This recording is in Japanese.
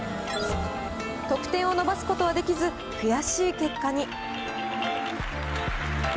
得点を伸ばすことはできず、悔しい結果に。